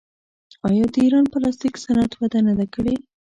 آیا د ایران پلاستیک صنعت وده نه ده کړې؟